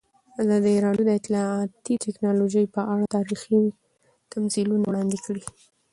ازادي راډیو د اطلاعاتی تکنالوژي په اړه تاریخي تمثیلونه وړاندې کړي.